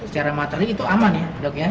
secara materi itu aman ya